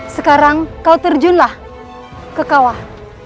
sekarang kau terjunlah ke kawah